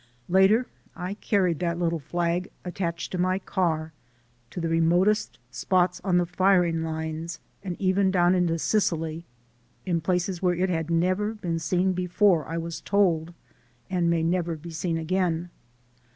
Later I carried that little flag, attached to my car, to the remotest spots on the firing lines and even down into Sicily, in places where it had never been seen before, I was told, and may never be seen again.